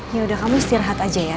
yaudah kamu istirahat aja ya